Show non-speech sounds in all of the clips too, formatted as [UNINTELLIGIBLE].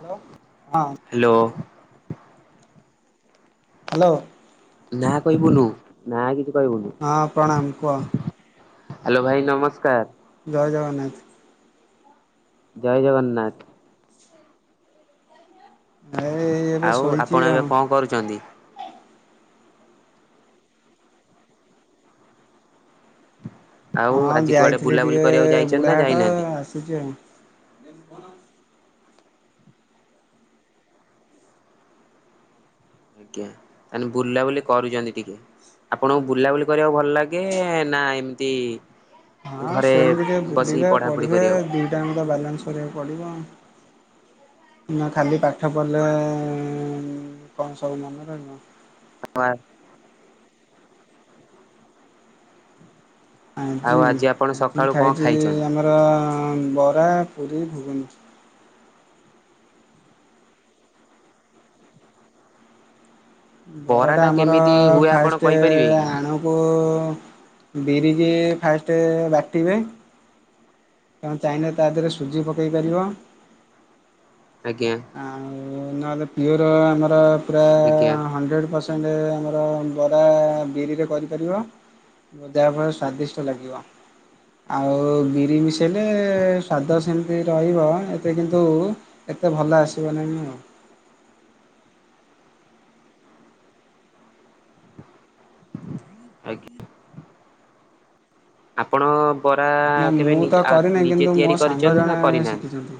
Hello. ହଁ hello. Hello. ନା କହିବୁନୁ, ନା କିଛି କହିବୁନୁ ହଁ ପ୍ରଣାମ କୁହ। ହ୍ୟାଲୋ ଭାଇ ନମସ୍କାର। ଜୟ ଜଗନ୍ନାଥ। ଜୟ ଜଗନ୍ନାଥ। ଏ ଏବେ ଆଉ ଶୋଇଛି ଆପଣ ଏବେ ଆଉ କଣ କରୁଛନ୍ତି? ଆଉ ହଁ ଆଜି କୁଆଡେ ଯାଇଥିଲି ବୁଲାବୁଲି ଟିକେ କରିବାକୁ ଯାଇଛନ୍ତି ନା ବୁଢାହାଟ ଯାଇନାହାନ୍ତି? ଆସୁଚି ଆଉ। ଆଜ୍ଞା ତାହାଲେ ବୁଲାବୁଲି କରୁଚନ୍ତି ଟିକେ। ଆପଣଙ୍କୁ ବୁଲାବୁଲି କରିବାକୁ ଭଲ ଲାଗେ, ନା ଏମତି ହଁ ସେମତି ଟିକେ ବୁଲିବା ପଢିବା କରିବାକୁ ଦିଟା ଯାଙ୍କୁ ତ ବାଲାନ୍ସ କରିବାକୁ ପଡିବ। ନା ଖାଲି ପାଠ ପଢିଲେ କଣ ସବୁ ମନେ ରହିବ? [UNINTELLIGIBLE] ଆଉ ଆଜି, ଆପଣ ଆଜି ସକାଳୁ କଣ ଖାଇଛି ଖାଇଛନ୍ତି? ଆମର ବରା, ପୁରି, ଘୁଗିନି। ବରା ବରାଟା ଟା ଆମର କେମିତି ହୁଏ ଆପଣ ଫାଷ୍ଟେ କହିପାରିବେ କି? ଆଣକୁ ବିରିକି ଫାଷ୍ଟେ ବାଟିବେ। ତମେ ଚାହିଁଲେ ତା ଦେହରେ ସୁଜି ପକେଇ ପାରିବ, ଆଜ୍ଞା ଆଉ ହୁଁ ନହେଲେ ପିଓର ଆମର ପୁରା ଆଜ୍ଞା ହଣ୍ଡ୍ରେଡ ପରସେଣ୍ଟ ନହେଲେ ଆମର ବରା ବିରିରେ କରିପାରିବ। [UNINTELLIGIBLE] ପୁରା ସ୍ଵାଦିଷ୍ଟ ଲାଗିବ ଆଉ ବିରି ମିଶ ଏ ସ୍ଵାଦ ସେମତି ରହିବ ଏତେ କିନ୍ତୁ ଏତେ ଭଲ ଆସିବ ନାହିଁ ଆଉ। ଆଜ୍ଞା। ଆପଣ ବରା ନା କେବେ ମୁଁ ତ ନିଜ ଆ କରିନି ନିଜେ କିନ୍ତୁ ମୋ ତିଆରି ସାଙ୍ଗ କରିଚନ୍ତି ଜଣେ ନା କରିନାହାନ୍ତି? ଶିଖିଛନ୍ତି।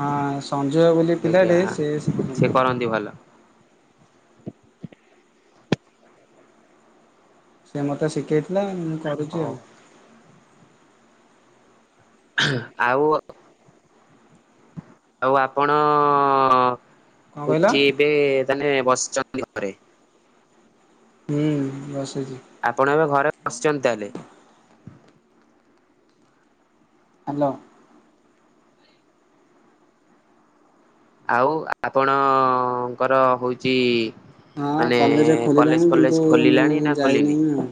ହଁ ସଞ୍ଜୟ ବୋଲି ଆଜ୍ଞା ପିଲାଟେ ସେ ଶିଖିଛନ୍ତି। ସେ କରନ୍ତି ଭଲ। ସେ ମତେ ଶିଖେଇ ଥିଲେ ମୁଁ କରୁଛି ହଉ। ଆଉ। ଆଉ ଆଉ ଆପଣ କଣ କହିଲ? ଘୁଚିବେ ତାହେଲେ ବସିଛ୍ କହିଲି ଘରେ। ହୁଁ ବସ୍ ଆପଣ ଏବେ ଘରେ ବସିଛନ୍ତି ତାହେଲେ। ହାଲୋ। ଆଉ ଆ ଆପଣଙ୍କର ହଉଚି। ହଁ ମାନେ କଲେଜ କଲେଜ ଖୋଲିଲାଣି କିନ୍ତୁ ଫଲେଜ ମୁଁ ଖୋଲିଲାଣି ନା ଖୋଲିନିି? ଯାଇନାହିଁ ଆଉ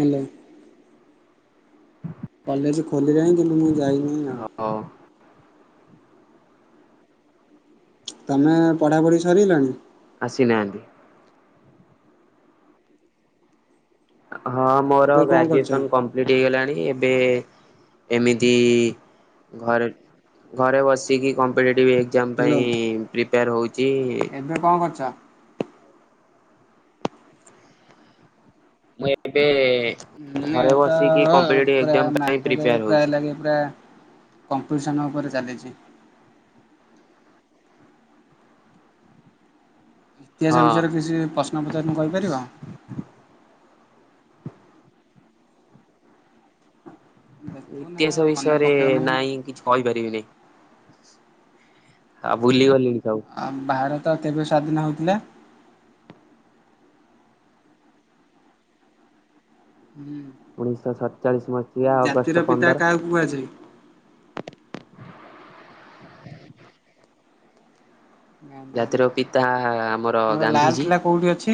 ହାଲୋ। କଲେଜ ଖୋଲିଲାଣି କିନ୍ତୁ ମୁଁ ଯାଇନି ଆଉ। ହଉ ତମେ ପଢ଼ା ପଢ଼ି ସରିଗଲାଣି? ଆସି ନାହାନ୍ତି। ହଁ ମୋର ଏବେ କଣ କରୁଛ? ଗ୍ରାଜୁଏସନ୍ କମ୍ପ୍ଲିଟ ହେଇଗଲାଣି ଏବେ। ଏମିତି ଘରେ ଘରେ ବସିକି କମ୍ପ୍ଲି ଟିଭ ଏକ୍ଜାମ୍ ହ୍ୟାଲୋ ପାଇଁ ପ୍ରିପେୟାର ହଉଛି। ଏବେ କଣ କରୁଛ? ମୁଁ ଏବେ। ହୁଁ ମାନେ ଘରେ ଏଟା ବସିକି କମ୍ପିଟେଟିଭ ପୁରା ଏକ୍ଜାମ ପାଇଁ ମାର୍କେଟେ ପ୍ରିପେୟାର ପ୍ରାୟ ହଉଛି। ଲାଗେ ପ୍ରାୟ। କମ୍ପିଟିସନ ଉପରେ ଚାଲିଛି। ଇତିହାସ ହଁ ବିଷୟରେ କିଛି ପ୍ରଶ୍ନ ପଚାରିନେ କହିପାରିବ? ଦେଖୁନା ଇତିହାସ ମନେ ବିଷୟରେ ପକେଇଉନା ନାଇଁ କିଛି କହିପାରିବିନି। ଆ ଭୁଲି ଗଲି। ଆମ ଭାରତ କେବେ ସ୍ଵାଧୀନ ହୋଇଥିଲା? ହୁଁ। ଉଣେଇଶହ ସଟଚାଳିଶ ଆମ ମସିହା ଜାତିର ଅଗଷ୍ଟ ପିତା ପନ୍ଦର। କାହାକୁ କୁହାଯାଏ? ଗାନ୍ଧିଜୀ। ଜାତିର ପିତା ଆମର ଗାନ୍ଧିଜୀ। ଲାଲକିଲ୍ଲା କୋଉଠି ଅଛି?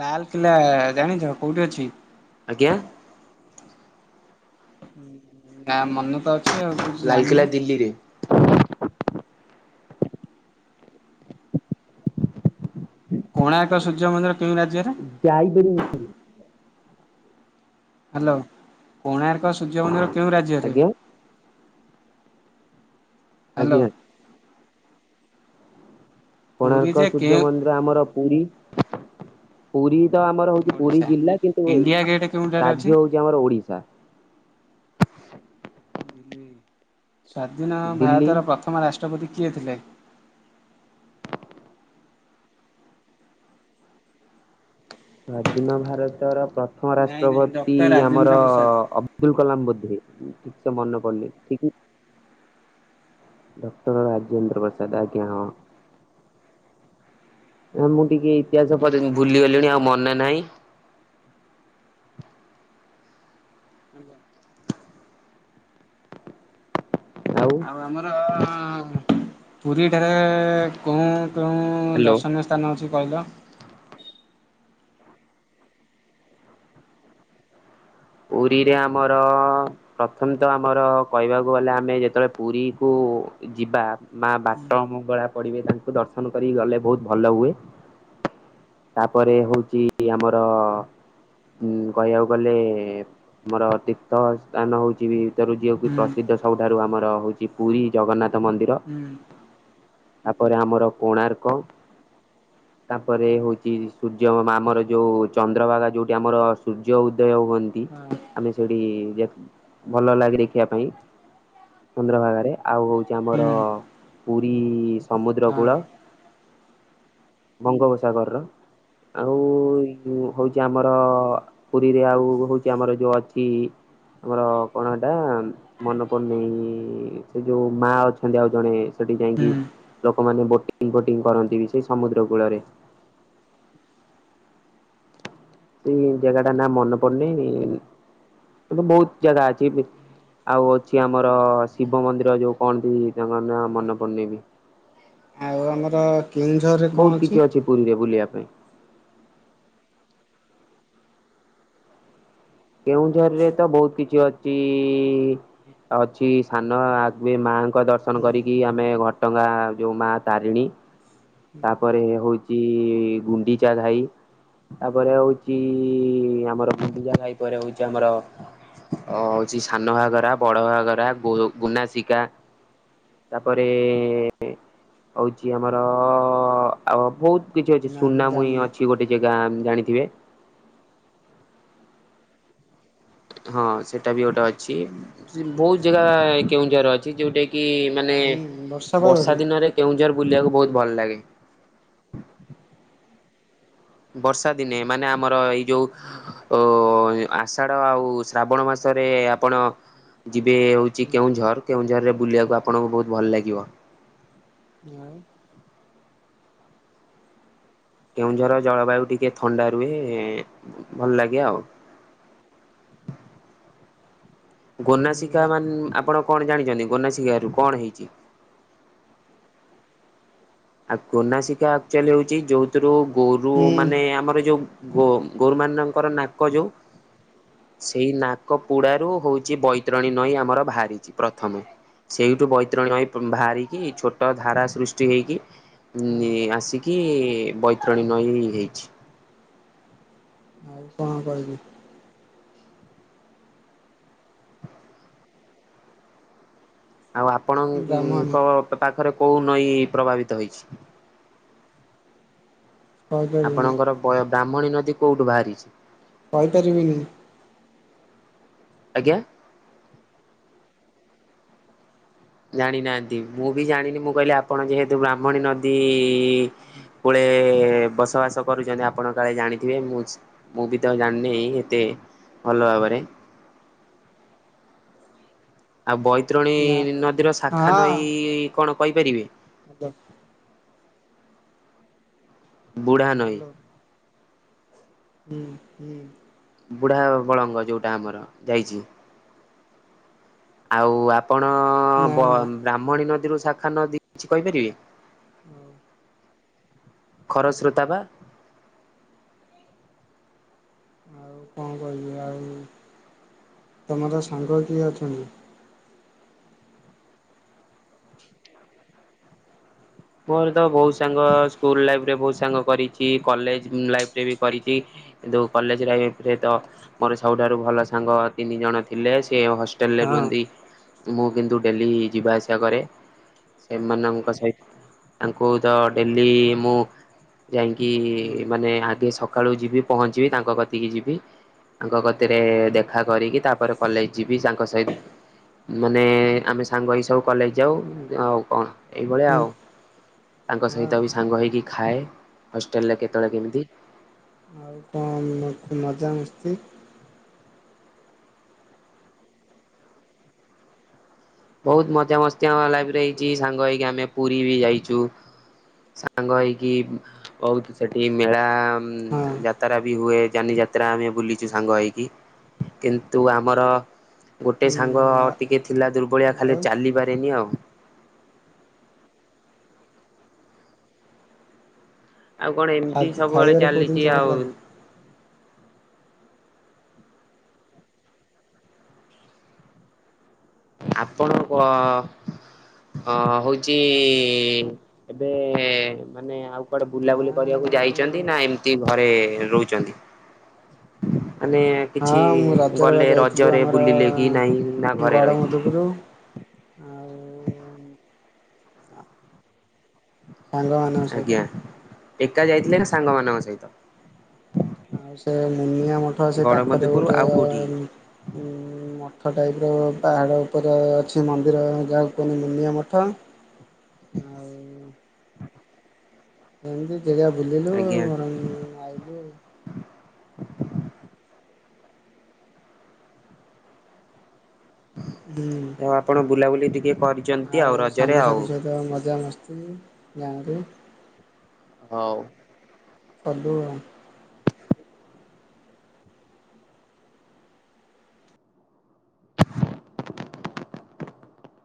ଲାଲକିଲ୍ଲା ଜାଣିଛ କୋଉଠି ଅଛି? ଆଜ୍ଞା। ନା ମନେ ତ ଅଛି ଆଉ କହୁଚୁ ଜାଣିନା। ଲାଲକିଲ୍ଲା ଦିଲ୍ଲୀରେ କୋଣାର୍କ ସୂର୍ଯ୍ୟ ମନ୍ଦିର କେଉଁ ରାଜ୍ୟରେ? ଯାଇପାରି। [UNINTELLIGIBLE] ହାଲୋ କୋଣାର୍କ ସୂର୍ଯ୍ୟ ମନ୍ଦିର କେଉଁ ରାଜ୍ୟରେ? ଆଜ୍ଞା ହ୍ୟାଲୋ। ଆଜ୍ଞା। ପୁରୀ କୋଣାର୍କ ଯେ ସୂର୍ଯ୍ୟ କେଉଁ ମନ୍ଦିର ଆମର ପୁରୀ ପୁରୀ। ତ ଆମର ହଉଛି ପୁରୀ ଓଡ଼ିଶା। ଜିଲ୍ଲା କିନ୍ତୁ ଇଣ୍ଡିଆ ଗେଟ୍ କେଉଁଠାରେ ଅଛି? ରାଜ୍ୟ ହଉଛି ଆମର ଓଡିଶା। ସ୍ଵାଧୀନ ଦିଲ୍ଲୀ ଭାରତର ପ୍ରଥମ ରାଷ ରାଷ୍ଟ୍ରପତି କିଏ ଥିଲେ? ସ୍ଵାଧୀନ ଭାରତର। ପ୍ରଥମ ନାଇଁ ନାଇଁ ରାଷ୍ଟ୍ରପତି ଡକ୍ଟର ଆମର ରାଜେନ୍ଦ୍ର ପ୍ରସାଦ। ଅବଦୁଲ କଲାମ ବୋଧେ ମୁଁ ଠିକ୍ ସେ। ମନ ପଡୁନି ଠିକ। ଡକ୍ଟର ରାଜେନ୍ଦ୍ର ପ୍ରସାଦ ଆଜ୍ଞା ହଁ। ଆ ମୁଁ ଟିକେ ଇତିହାସ ପଢ଼ି ଭୁଲିଗଲିଣି ଆଉ ମନେ ନାହିଁ। [INAUDIBLE] ଆଉ ଆମର ପୁରୀ ଠାରେ କଉଁ। କେଉଁ ହ୍ୟାଲୋ ଦର୍ଶନୀୟ ସ୍ଥାନ ଅଛି କହିଲ। ପୁରୀରେ ଆମର ପ୍ରଥମେ ତ ଆମର କହିବାକୁ ଗଲେ ଆମେ ଯେତେବେଳେ ପୁରୀକୁ। କୁ ଯିବା ମା ବାଟମଙ୍ଗଳା। ପଡ଼ିବେ ତାଙ୍କୁ ଦର୍ଶନ କରିକି ଗଲେ ବହୁତ ଭଲ ହୁଏ। ତାପରେ ହଉଛି ଆମର ଉଁ କହିବାକୁ ଗଲେ। ଏ ଆମର ତୀର୍ଥ ସ୍ଥାନ ହଉଛି ଭିତରୁ ଯିଆକୁ ହୁଁ ପ୍ରସିଦ୍ଧ ସବୁଠାରୁ ଆମର ହଉଛି ପୁରୀ ଜଗନ୍ନାଥ ମନ୍ଦିର। ହୁଁ। ତାପରେ ଆମର କୋଣାର୍କ। ତା ପରେ ହେଉଛି ସୂର୍ଯ୍ୟ ଆମର ଯେଉଁ ଚନ୍ଦ୍ରଭାଗା ଯେଉଁଠି ଆମର ସୂର୍ଯ୍ୟ ଉଦୟ ହୁଅନ୍ତି। ହଁ ଆମେ ସେଇଠି ଦେ ଭଲ ଲାଗେ ଦେଖିବା ପାଇଁ। ଚନ୍ଦ୍ରଭାଗାରେ ଆଉ ହଉଛି ଆମର ହୁଁ ପୁରୀ ହଁ ସମୁଦ୍ରକୂଳ ବଙ୍ଗୋପସାଗରର। ଆଉ ହଉଛି ଆମର ପୁରୀରେ ଆଉ ହଉଛି ଆମର ଯୋଉ ଅଛି ଆମର କଣ ଏଟା ମନ ପର୍ନେଇ ସେ ଯୋଉ ମା ଅଛନ୍ତି ଆଉ ଜଣେ ଯାଇକି ହୁଁ। ଲୋକମାନେ ବୋଟିଂ ଫୋଟିଂ କରନ୍ତି ବି ସେଇ ସମୁଦ୍ର କୂଳରେ। [INAUDIBLE] ସେଇ ଜାଗା ଟା ନା ମନେ ପଡୁନହି ବହୁତ ଜାଗା ଅଛି। ଆଉ ଅଛି ଆମର ଶିବ ମନ୍ଦିର ଯୋଉ କଣନ୍ତି ତାଙ୍କ ନାଁ ମନେ ପଡୁନି ବି। ଆଉ ଆମର କେଉଝରରେ ବହୁତ କଣ କିଛି ଅଛି? ପୁରୀରେ ବୁଲିବା ପାଇଁ। କେଉଁଝରରେ ତ ବହୁତ କିଛି ଅଛିଈ। ଅଛି ସାନ ଆଗ ମାଙ୍କ ଦର୍ଶନ ହୁଁ କରିକି ଆମେ ଘଟଗା ଯୋଉ ମା ତାରିଣୀ। ତାପରେ ହଉଛି ଗୁଣ୍ଡିଚା ଘାଇ। ତାପରେ ହଉଛି ଆମର ଗୁଡିଜା ଖାଇ ପରେ ହଉଛି ଆମର ଓ ହଉଛି ସାନ ଘାଘରା ବଡଘଗରା ଗ ଗୁନାସିକା ତାପରେ ହଉଛି ଆମର ହ ଆଉ ବହୁତ କିଛି ଅଛି ନା ମୁଁ ସୁନାମଇଁ ଜାଣିନି। ଅଛି ଗୋଟେ ଜାଗା ଜାଣିଥିବେ। [INAUDIBLE] ହଁ ସେଇଟା ବି ଗୋଟେ ଅଛି ବହୁତ ଜାଗା କେଉଁଝ ରେ ଅଛି ଯେଉଁଟାକି ମାନେ ହୁଁ ପାଗରେ ବର୍ଷା ଦିନରେ କେଉଁଝର ବୁଲିବାକୁ ବହୁତ ଭଲ ଲାଗେ। ବର୍ଷା ଦିନେ ମାନେ ଆମର ଏଇ ଯୋଉ ଅ ଆଷାଢ ଆଉ ଶ୍ରାବଣ ମାସ ରେ ଆପଣ ଯିବେ ହଉଛି ହୁଁ କେଉଁଝର କେଉଁଝର ରେ ବୁଲିବାକୁ ଆପଣଙ୍କୁ ବହୁତ ଭଲ ଲାଗିବ। ଆଉ ନା ହୁଁ କେଉଁଝର ଜଳବାୟୁ ଟିକେ ଥଣ୍ଡା ରୁହେ ଭଲ ଲାଗେ ଆଉ। [INAUDIBLE] ଗୋନାସିକା ମାନ ଆପଣ କଣ ଜାଣିଛନ୍ତି ଗୋନାସିକ ରୁ କଣ ହେଇଛି? [INAUDIBLE] ଆକୋନାସିକା ଆକଚୁଲି ହଉଛି ଯୋଉଥିରୁ ଗୋରୁ ମାନେ ଆମର ଯୋଉ ଗୋ ଗୋରୁମାନଙ୍କର ନାକ ଯୋଉଁ? ସେଇ ନାକ ପୋଡାରୁ ହଉଛି ବୈତରଣୀ ନଈ ଆମର ବାହାରିଛି ପ୍ରଥମେ। ସେଇଠୁ ବୈତରଣୀ ନାଇ ବାହାରିକି ଛୋଟ ଧାରା ସୃଷ୍ଟି ହେଇକି ହଁ ଆସିକି ବୈତରଣୀ ନଈ ହେଇଛି। ଆଉ କଣ କହିବି? ଆଉ ବ୍ରାହ୍ମଣୀ ଆପଣଙ୍କ ପାଖରେ କୋଉ ନଈଁ ପ୍ରଭାବିତ ହେଇଛି? କହିପାରିବିନି ଆପଣଙ୍କର ବୟ ବ୍ରାହ୍ମଣୀ ନଦୀ କୋଉଠୁ ବାହାରିଛି? କହିପାରିବିନି। ଆଜ୍ଞା। ଜାଣିନାହାନ୍ତି ମୁଁ ବି ଜାଣିନି ମୁଁ କହିଲି ଆପଣ ଯେହେତୁ ବ୍ରାହ୍ମଣୀ ନଦୀ ଇ କୁଳେ ବସବାସ କରୁଛନ୍ତି ଆପଣ କାଳେ ଜାଣିଥିବେ ମୁଁ ମୁଁ ବି ତ ଜାଣିନେଇ ଏତେ। ଭଲ ଭାବରେ। ଆଉ ବୈତରଣୀ ନା ନଦୀର ଶାଖା ନଈ ହଁ କଣ କହିପାରିବେ? ହାଲୋ ବୁଢ଼ା ନଈ। ହାଲୋ ହୁଁ ହୁଁ ବୁଢ ବଳଙ୍ଗ ଯୋଉଟା ଆମର ଯାଇଛି। ଆଉ ଆପଣ ନା ବ ନା ବ୍ରାହ୍ମଣୀ ନଦୀରୁ ଶାଖା ନଦୀ କିଛି କହିପାରିବେ? ହଉ [INAUDIBLE] ଖରସ୍ରୋତା ପା। ଆଉ କଣ କହିବି ଆଉ ତମର ସାଙ୍ଗ କିଏ ଅଛନ୍ତି? ମୋର ତ ବହୁତ ସାଙ୍ଗ ସ୍କୁଲ ଲାଇଫରେ ବହୁତ ସାଙ୍ଗ କରିଛି କଲେଜ ଲାଇଫରେ ବି କରିଛି। କିନ୍ତୁ କଲେଜ ଲାଇରେ ତ ମୋର ସବୁଠାରୁ ଭଲ ସାଙ୍ଗ ତିନି ଜଣ ଥିଲେ ସେ ହଷ୍ଟେଲ ରେ ହଁ ରୁହନ୍ତି ମୁଁ କିନ୍ତୁ ଡେଲି ଯିବା ଆସିବା କରେ ସେମାନଙ୍କ ସହିତ ତାଙ୍କୁ ତ ଡେଲି ମୁଁ ଯାଇକି ହୁଁ ମାନେ ଆଗେ ସକାଳୁ ଯିବି ପହଞ୍ଚିବି ତାଙ୍କ କତିକି ଯିବି। ତାଙ୍କ କତିରେ ଦେଖା କରିକି ତାପରେ କଲେଜ ଯିବି ତାଙ୍କ ସହିତ। ମାନେ ଆମେ ସାଙ୍ଗ ହେଇ ସବୁ କଲେଜ ଯାଉ ଆଉ କଣ ଏଇଭଳିଆ ଆଉ। ତାଙ୍କ ହଁ ସହିତ ବି ସାଙ୍ଗ ହେଇକି ଖାଏ ହଷ୍ଟେଲରେ କେତେବେଳେ କେମିତି। ଆଉ କଣ ମଜାମସ୍ତି? ବହୁତ ମଜା ମସ୍ତି ଲାଇଫ ହେଇଛି ସାଙ୍ଗ ହେଇକି ଆମେ ପୁରୀ ବି ଯାଇଛୁ। ସାଙ୍ଗ ହେଇକି ବହୁତ ସେଠି ମେଳା ହଁ ଯାତ୍ରା ବି ହୁଏ ଜାନି ଯା ଯାତ୍ରା ଆମେ ବୁଲିଛୁ ସାଙ୍ଗ ହେଇକି। କିନ୍ତୁ ଆମର ଗୋଟେ ହୁଁ ସାଙ୍ଗ ଟିକେ ଥିଲା ଦୁର୍ବଳିଆ ଖାଲି ଆଉ ଚାଲି ପାରେନି ଆଉ। ଆଉ କଣ ଏମିତି ଖାଦ୍ ସବୁବେଳେ ଖାଇବାରେ କୋଉ ଚାଲିଛି ଜିନିଷ ଭଲ ଆଉ। ଲାଗେ? ଆପଣଙ୍କ ଅ ହଉଛି ଏବେ ମାନେ ଆଉ କୁଆଡେ ନା ବୁଲାବୁଲି କରିବାକୁ ଯାଇଛନ୍ତି ନା ଏମିତି ଘରେ ରହୁଛନ୍ତି? ମାନେ କିଛି ହଁ ମୁଁ ରଜରେ ବା ଗଲେ ଯାଇଥିଲୁ ରଜରେ ବୁଲିଲେ କି ନାହିଁ ନା ଘରେ ରହିଲେ? ବୁଲୁ ଆଉ ସାଙ୍ଗମାନଙ୍କ ସହିତ। ଆଜ୍ଞା ଏକା ଯାଇଥିଲେ ନା ସାଙ୍ଗ ମାନଙ୍କ ସହିତ? ଆଉ ସେ ମୁନିଆ ମଠ ସେ ପାଖରେ ଗଡମଧୁପୁର ଗୋଟେ ଆଉ କୋଉଠିକି? ଉ ମଠ ଟାଇପ ର ପାହାଡ ଉପରେ ଅଛି ମନ୍ଦିର ଯାହାକୁ କୁହନ୍ତି ମୁନିଆ ମଠ ଆଉ। ଏମିତି ଜେଗା ବୁଲିଲୁ ଆଜ୍ଞା ଘରଙ୍ଗ ଆଇଲୁ ଆଉ। [INAUDIBLE] ହୁଁ ଆଉ ଆପଣ ବୁଲାବୁଲି ଟିକେ କରିଛନ୍ତି ଆଉ ରଜରେ ଆଉ। ସାଙ୍ଗସାଥି ସହିତ ମଜାମସ୍ତି ଗାଁ ରେ ହଉ। [UNINTELLIGIBLE]